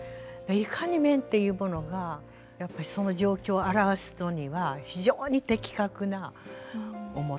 いかに面というものがやっぱりその状況を表すのには非常に的確な面。